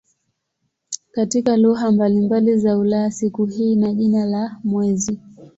Katika lugha mbalimbali za Ulaya siku hii ina jina la "mwezi".